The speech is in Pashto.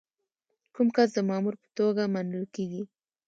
کوم کس د مامور په توګه منل کیږي؟